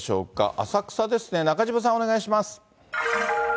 浅草ですね、中島さん、お願いします。